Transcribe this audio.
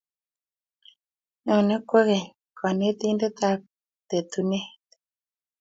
nyone kwekeny konetindetab tetunet